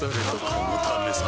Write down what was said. このためさ